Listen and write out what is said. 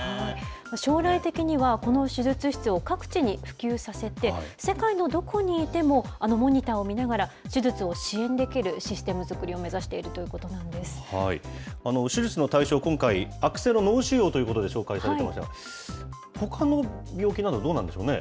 将来的には、この手術室を各地に普及させて、世界のどこにいても、あのモニターを見ながら、手術を支援できるシステム作りを手術の対象、今回、悪性の脳腫瘍ということで紹介されてましたが、ほかの病気など、どうなんでしょうね。